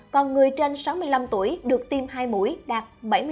còn người trên sáu mươi năm tuổi được tiêm hai mũi đạt bảy mươi bảy tám mươi sáu